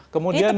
baru tidur lagi